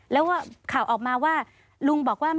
แล้วว่าข่าวออกมาว่าลุงบอกว่า